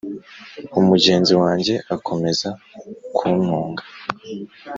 umugenzi wanjye akomeza kuntunga,